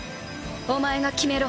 お前が決めろ。